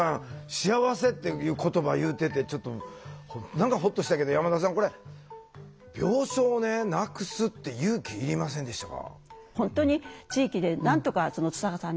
幸せっていう言葉言うててちょっと何かほっとしたけど山田さんこれ病床をなくすって勇気いりませんでしたか？